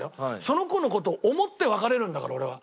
その子の事を思って別れるんだから俺は。